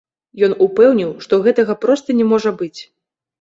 Ён упэўніў, што гэтага проста не можа быць.